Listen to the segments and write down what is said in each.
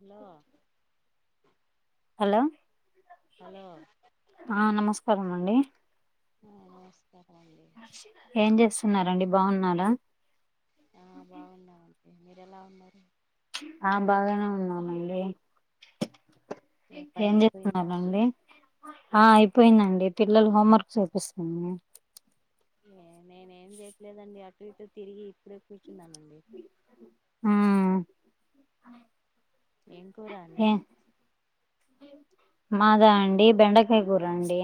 Hello hello hello ఆ నమస్కారం అండి ఆ నమస్కారం అండి ఏం చేస్తున్నారండి బాగున్నారా ఆ బాగున్నామండి మీరు ఎలా ఉన్నారు ఆ బాగానే ఉన్నామండి ఏ పని ఏం అయిపోయిందా అండి జేత్తున్నారండి ఆ అయిపోయిందండి పిల్లలు హోంవర్క్ చూపిస్తుంది ఏ నేనేం చేయట్లేదండి అటూ ఇటూ తిరిగి ఇప్పుడే కూర్చున్నానండి ఆ ఏం కూర ఏ అండి మాదా అండి బెండకాయ కూర అండి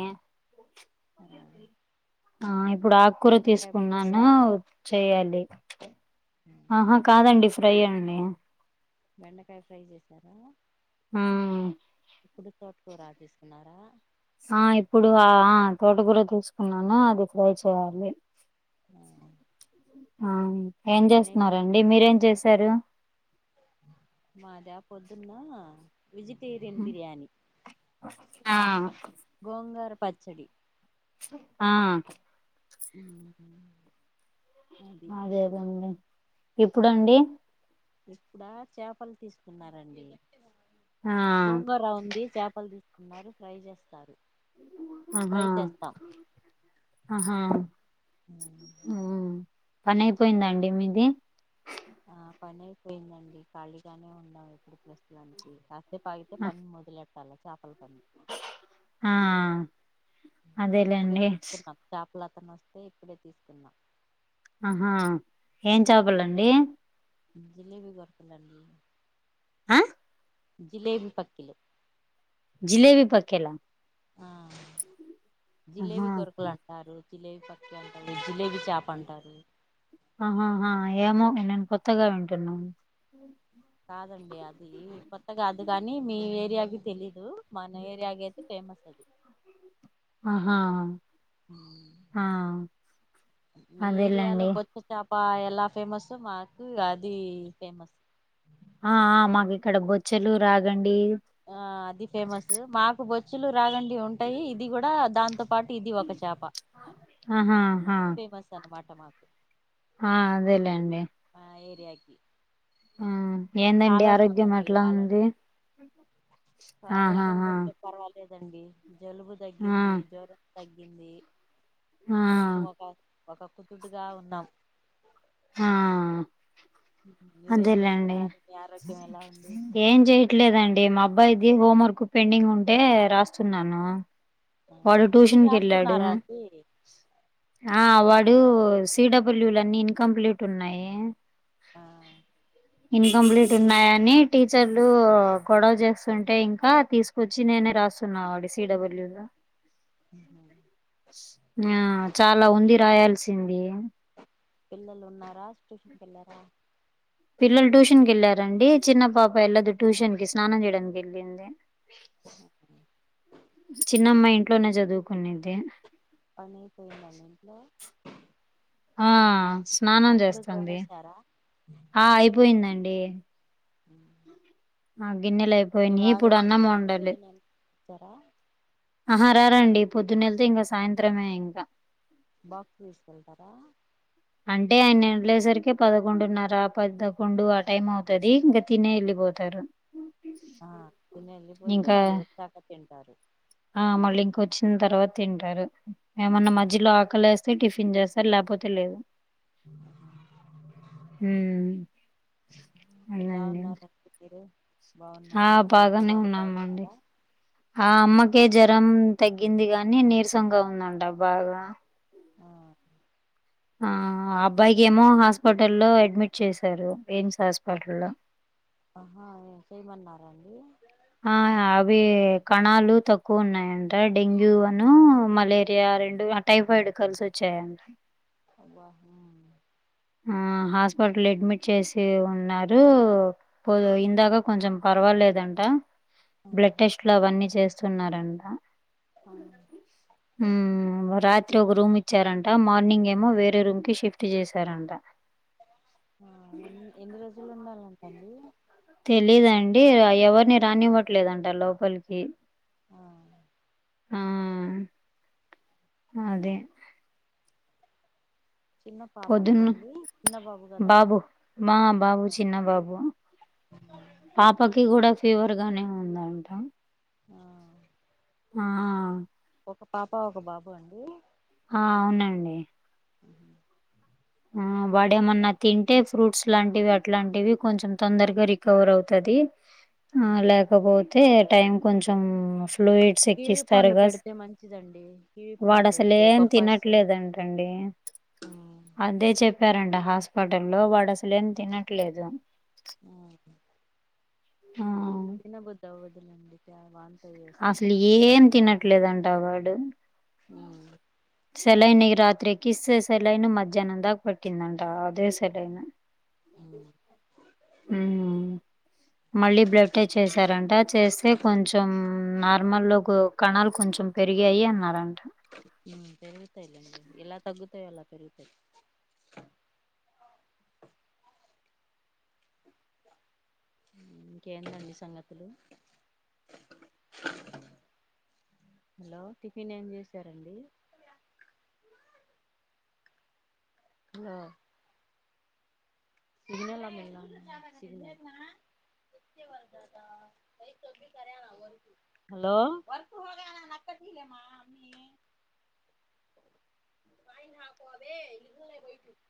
ఆ ఆ ఇప్పుడు ఆకుకూర బెండకాయ తీసుకున్నానో పులుసా చెయ్యాలి ఆహా కాదండి ఫ్రైయ్యే అండి బెండకాయ ఫ్రై చేశారా ఆ ఇప్పడు తోటకూరాకు తీసుకున్నారా ఆ ఇప్పుడు ఆ ఆ తోట కూర తీసుకున్నాను అది ఫ్రై చేయాలి ఊ ఆం ఏం చేస్తున్నారండి మీరేం చేశారు మాదా పొద్దున్న వెజిటేరియన్ బిర్యానీ ఆ గోంగూర పచ్చడి ఆ ఊహూ ఆ అదే అదండి ఎప్పుడండి ఇప్పుడా చేపలు తీసుకున్నారండి ఆ గోంగూర ఉంది చేపలు తీ ఉన్నారు ఫ్రై చేస్తారు ఆహా ఫ్రై చేస్తాం ఆహా పని అయిపోయిందా అండి మీది ఆ పని అయిపోయిందండి ఖాళీగానే ఉన్నాం ఇప్పుడు ప్రస్తుతానికి కా సేపు ఆగితే పని మొదలెట్టాల చాపలు టన్ ఆ ఇప్పుడే అదేలేండి తీస్కున్నాం చాపలతను వస్తే ఇప్పుడే తీసుకున్నా ఆహా ఏం చాపలండి జిలేబీ గర్పలండి ఆ జిలేబి పక్కిలు జిలేబీ పక్కేలా ఆ ఆహా జిలేబీ కొరకలా టారు జిలేబీ పక్కి అంటారు జిలేబీ చాప అంటారు ఆహాహా ఏమో నే నేను కొత్తగా వింటున్నాను కాదండి అది కొత్తగాదు కానీ మీ ఏరియాకి తెలీదు మన ఏరియా గైతే ఫేమస్ అది ఆహా ఆ మీ అదేలేండి ఏరియాలో బొచ్చు చాప్ పా ఎలా ఫేమస్సో మాకు అది ఫేమస్ ఆ ఆ మాకు ఇక్కడ బొచ్చెలు రాగండి ఆ అది ఫేమసు మాకు బొచ్చులు రాగండి ఉంటాయి ఇది కూడా దాంతో పాటి ఇది ఒక చాప ఆహాహా ఫేమస్ అన్నమాట మాకు ఆ అదేలేండి ఆ ఏరియాగి ఆ ఏందండి కాలవ ఆరోగ్యం చతకి ఎట్లా కాలవ చ ఉంది [unintelligible] ఆరోగ్యం ఆహాహా గురించి పర్వాలేదండి జలుబు ఆ తగ్గింది జ్వరం తగ్గింది ఆ కొంచెం ఒక ఒక కుతుటుగా [unintelligible] ఉన్నాం ఆ మీరేం అదే లెండి చేస్తున్నారు మీ ఆరోగ్యం ఎలా ఉంది ఏం చెయట్లేదండి మా అబ్బాయిది హోంవర్క్ పెండింగ్ ఉంటే రాస్తున్నాను ఆ వాడు మీరు ట్యూషన్ కి వెళ్ళాడు రాస్తున్నారా అండి ఆ వాడు సిడబల్యూ లన్ని ఇన్కంప్లీట్ ఉన్నాయి ఆ ఇన్కంప్లీట్ ఉన్నాయని టీచర్లు గొడవ చేస్తుంటే ఇంకా తీసుకు వచ్చి నేనే రాస్తున్నా వాడి సిడబల్యూ గా ఆహ ఆ చాలా ఉంది రాయాల్సింది పిల్లలు ఉన్నారా ట్యూషన్కి ఎల్లార పిల్లలు ట్యూషన్ క వెళ్ళలారండి చిన్న పాప వెళ్ళదు ట్యూషన్ కి స్నానం చేయడానికి వెళ్ళింది చిన్నమ్మాయి ఇంట్లోనే చదువుకునుద్ది పని అయిపోయిందా అండి ఇంట్లో ఆ స్నానం అంట్లు చేస్తుంది తోమేశారా ఆ అయిపోయిందండి హ ఆ గిన్నెలు అయిపోయినయి ఇప్పుడు అన్నం వండలి చార ఆహా రారండి పొద్దున్నళ్తే ఇంకా సాయంత్రమే ఇంకా బాక్స్ తీసుకెళ్తారా అంటే ఆయన వెళ్ళే సరికే పదకొండున్నర పదకొండు ఆ టైం అవుతుది ఇంకా తినే వెళ్ళిపోతారు ఉమ్ ఆ తిని వెళ్ళిపోతే మళ్ళీ వచ్చాక తింటారు ఆ మళ్ళీ ఇంకొచ్చిన తర్వాత తింటారు ఏమన్నా మధ్యలో ఆకలి వెస్త టిఫిన్ చేస్తారు లేకపోతే లేదు ఉం ఎలా ఉన్నారండి మీరు ఆ బావున్నారా మీ బాగానే అమ్మగారు ఉన్నామండి బాగున్నారా ఆ అమ్మకే జ్వరం తగ్గింది గానీ నీరసంగా ఉందంట బాగా ఆ ఆ అబ్బాయికి ఏమో హాస్పిటల్లో అడ్మిట్ చేశారు ఎయిమ్స్ అట్ హాస్పిటల్లో ఆహా చేయమన్నారండి ఆ అవి కణాలు తక్కువ ఉన్నాయంట డెంగ్యూ అను మలేరియా రెండు టైఫాయిడ్ కలిసి వచ్చాయంట అబ్బా ఉం ఆ హాస్పిటల్ అడ్మిట్ చేసి ఉన్నారు పోదు ఇందాక కొంచెం పర్వాలేదంట ఆ బ్లడ్ టెస్ట్లు అవన్నీ చేస్తున్నారంట ఆ ఉం రాత్రి ఒక రూమ్ ఇచ్చారంట మార్నింగ్ ఏమో వేరే రూమ్ కి షిఫ్ట్ చేస్ సరంట ఆ ఎ ఎన్ని రోజులు ఉండాలంటండి తెలిదండి ఎవరిని రానివ్వట్లేదంట లోపలికి ఆ ఆ అబ్బా. అదే చిన్న పాప పొద్దున్న కదండి చిన్న బాబు కదా మా బాబు చిన్న బాబు [unintelligible] పాపకి కూడ ఫీవర్ గానే ఉందంట ఆ ఆ ఒక పాప ఒక బాబు అండి ఆ అవునండి ఆ ఆ వాడ ఏమన్న తింటే ఫ్రూట్స్ లాంటివి అట్లాంటివి కొంచెం తొందరగ రికవర్ అవుతది ఆ లేకపోతే టైం కొంచెం [unintelligible] కీవి పండు ఎక్కిస్తారుగా స్ పెడితే మంచిదండి కీవి పండు పెడితే [unintelligible] వాడసలేం తినట్లేదంటండి. ఆ అదే చెప్పారండి హాస్పిటల్లో వాడు అసలేం తినట్లేదు ఆ ఆ తినబుద్ధి అవ్వదు అసలు [unintelligible] ఏం తినట్లేదంట వాడు ఉ సెలైన్ రాత్రి ఎక్కిస్తే సెలైన్ మధ్యాహ్నం దాక [unintelligible] ఉ ఊ మళ్ళీ బ్లడ్ టెస్ట్ చేసారంట చేస్తే కొంచం న [unintelligible] కణాలు కొంచెం పెరిగాయి అన్నారంట పెరుగుతాయిలెండి ఎలా తగ్గుతాయో అలా పెరుగుతాయి ఇంకేందండి సంగతులు హలో టిఫిన్ ఏం చేశారండి [unintelligible] [unintelligible] [unintelligible] హలో అ [unintelligible]